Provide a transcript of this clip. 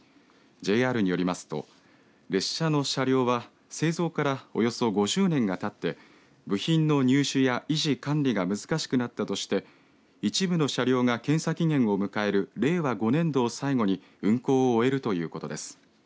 ＪＲによりますと列車の車両は製造からおよそ５０年がたって部品の入手や維持管理が難しくなったとして一部の車両が検査期限を迎える令和５年度を最後に運行を終えるということです。